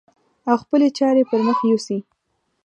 او خپلې چارې پر مخ يوسي.